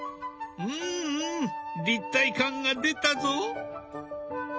うんうん立体感が出たぞ。